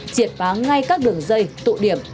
triệt phá ngay các đường dây tụ điểm